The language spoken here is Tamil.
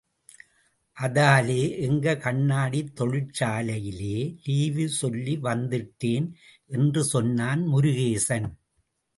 அதாலே எங்க கண்ணாடித் தொழிற்சாலையிலே லீவு சொல்லி வந்திட்டேன். என்று சொன்னான் முருகேசன்.